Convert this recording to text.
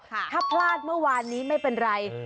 ถ้าพลาดเมื่อวานนี้ไม่เป็นไร